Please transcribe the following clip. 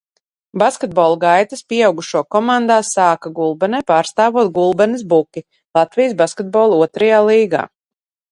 "Basketbola gaitas pieaugušo komandā sāka Gulbenē, pārstāvot Gulbenes "Buki" Latvijas Basketbola otrajā līgā."